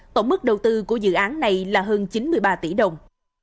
tổng mức đầu tư của dự án này là hơn chín mươi ba tỷ đồng